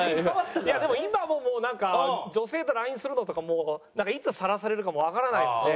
いやでも今ももうなんか女性とＬＩＮＥするのとかもいつさらされるかもわからないんで。